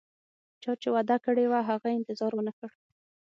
چا چې وعده کړي وه، هغه انتظار ونه کړ